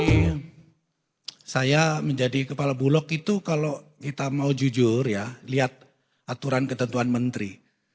jadi saya menjadi kepala bulog itu kalau kita mau jujur ya lihat aturan ketentuan menteri